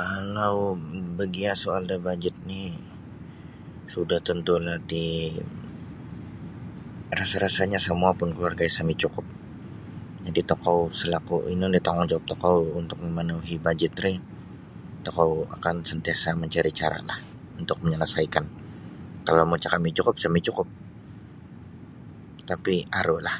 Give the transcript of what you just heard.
Kalau begayad da bajet ni sudah tentu nio ti rasa-rasanya semua pun keluarga isa micukup. Jadi tokou selaku ino ni tanggungjawab tokou untuk memenuhi bajet rih, tokou akan sentiasa mencari cara lah untuk menyelesaikan. Kalau mau cakap micukup, isa micukup tapi aru lah.